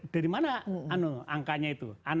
dari mana angkanya itu